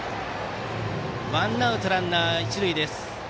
ワンアウトランナー、一塁です。